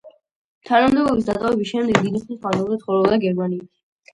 თანამდებობის დატოვების შემდეგ დიდი ხნის მანძილზე ცხოვრობდა გერმანიაში.